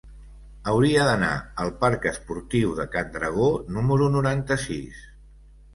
Hauria d'anar al parc Esportiu de Can Dragó número noranta-sis.